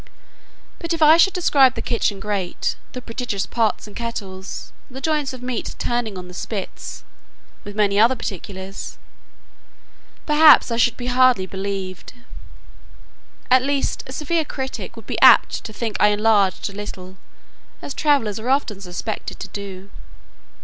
But if I should describe the kitchen grate, the prodigious pots and kettles, the joints of meat turning on the spits, with many other particulars, perhaps I should be hardly believed; at least a severe critic would be apt to think I enlarged a little, as travellers are often suspected to do.